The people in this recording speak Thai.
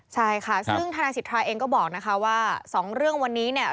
ใช่ค่ะซึ่งธนายสิทธาเองก็บอกนะคะว่าสองเรื่องวันนี้เนี่ย